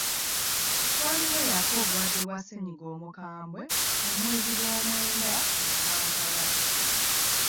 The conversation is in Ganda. Waaliwo eyafa obulwadde bwa ssennyiga omukambwe mu mwezi gwomwenda mu Kampala.